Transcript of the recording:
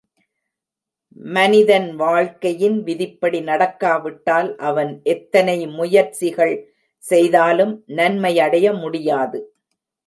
மனிதன் வாழ்க்கையின் விதிப்படி நடக்காவிட்டால், அவன் எத்தனை முயற்சிகள் செய்தாலும் நன்மையடைய முடியாது.